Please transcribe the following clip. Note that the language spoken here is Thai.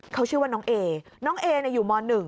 เขาชื่อว่าน้องเอน้องเออยู่ม๑